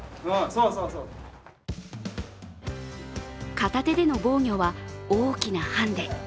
片手での防御は大きなハンデ。